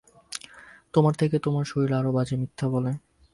তোমার থেকে তোমার শরীর আরও বাজে মিথ্যা বলে।